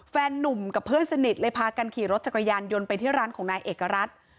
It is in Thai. นุ่มกับเพื่อนสนิทเลยพากันขี่รถจักรยานยนต์ไปที่ร้านของนายเอกรัฐ